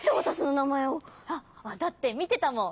あっだってみてたもん